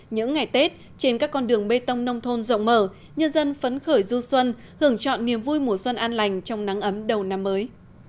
những ngày tết trên các con đường bê tông nông thôn rộng mở nhân dân phấn khởi du xuân hưởng chọn niềm vui mùa xuân an lành trong nắng ấm đầu năm mới